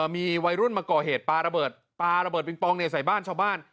มีวัยรุ่นมาก่อเหตุปลาระเบิดปลาระเบิดปิงปองในใส่บ้านชาวบ้าน